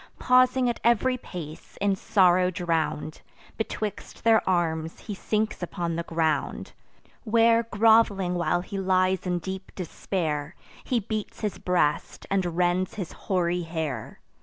Pausing at ev'ry pace, in sorrow drown'd, Betwixt their arms he sinks upon the ground; Where grov'ling while he lies in deep despair, He beats his breast, and rends his hoary hair.